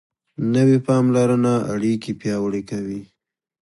نوې پاملرنه اړیکې پیاوړې کوي